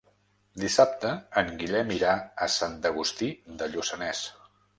Dissabte en Guillem irà a Sant Agustí de Lluçanès.